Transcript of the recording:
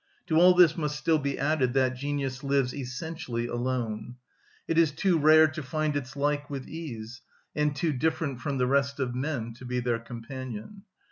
To all this must still be added that genius lives essentially alone. It is too rare to find its like with ease, and too different from the rest of men to be their companion.